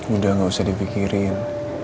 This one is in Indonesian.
udah gak usah dipikirin